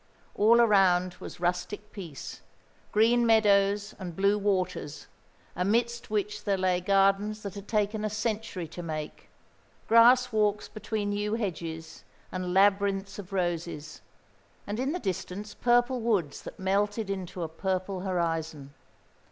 All around was rustic peace. Green meadows and blue waters, amidst which there lay gardens that had taken a century to make grass walks between yew hedges, and labyrinths of roses; and in the distance purple woods that melted into a purple horizon.